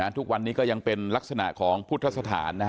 อ่าทุกวันนี้ก็ยังเป็นลักษณะของพุทธศาสตร์นะฮะ